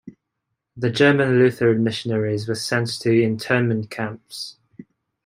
The German Lutheran missionaries were sent to internment camps.